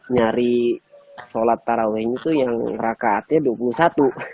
nyari sholat tarawehnya tuh yang rakaatnya dua puluh satu